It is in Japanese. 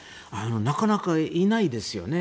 なかなかいないですよね。